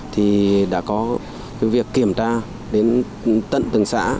thì đã có việc kiểm tra đến tận từng xã